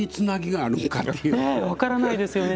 分からないですよね